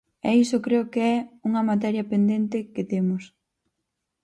E iso creo que é unha materia pendente que temos.